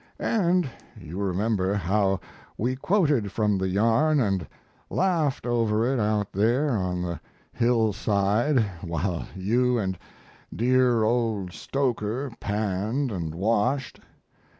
And you remember how we quoted from the yarn and laughed over it out there on the hillside while you and dear old Stoker panned and washed.